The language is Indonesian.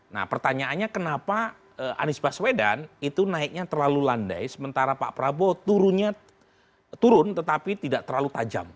nah pertanyaannya kenapa anies baswedan itu naiknya terlalu landai sementara pak prabowo turun tetapi tidak terlalu tajam